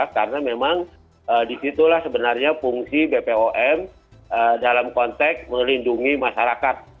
karena memang disitulah sebenarnya fungsi bpom dalam konteks melindungi masyarakat